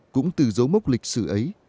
cũng từ dấu mốc lịch sử ấy